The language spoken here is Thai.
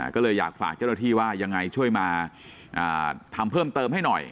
ก็เลยอยากฝากเจ้าหน้าที่ว่ายังไงช่วยมาทำเพิ่มเติมให้หน่อย